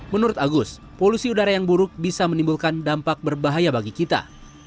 menurut agus polusi udara yang buruk bisa menimbulkan dampak berbahaya bagi kita